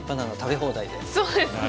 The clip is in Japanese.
そうですね。